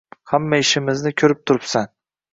Hamma ishimizni ko‘rib turibsan –